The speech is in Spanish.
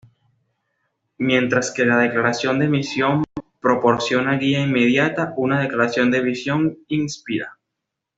Mientras que la declaración de misión proporciona guía inmediata, una declaración de visión inspira.